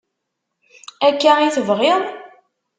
Akka i tebɣiḍ?